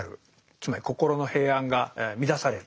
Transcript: つまり心の平安が乱される。